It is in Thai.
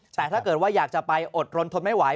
แต่ถ้าเกิดว่าอยากจะไปอดรนทนไม่ไหว